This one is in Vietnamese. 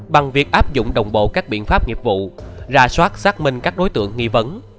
bằng việc áp dụng đồng bộ các biện pháp nghiệp vụ ra soát xác minh các đối tượng nghi vấn